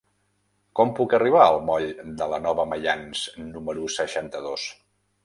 Com puc arribar al moll de la Nova Maians número seixanta-dos?